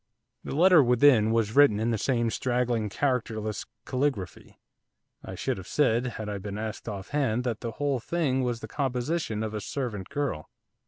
The letter within was written in the same straggling, characterless caligraphy, I should have said, had I been asked offhand, that the whole thing was the composition of a servant girl.